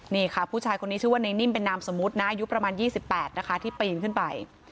นี่ค่ะผู้ชายคนนี้ชื่อว่าในนิ่มเป็นนามสมมุตินะอายุประมาณ๒๘นะคะที่ปีนขึ้นไป